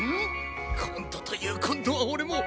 今度という今度は俺も。